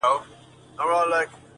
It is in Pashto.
چي حاجي حاجي لري، اخر به حاجي سې.